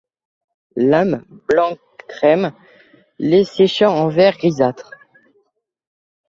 Lames blanc crème, lait séchant en vert grisâtre.